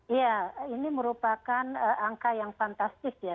iya ini merupakan angka yang fantastis ya